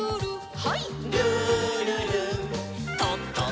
はい。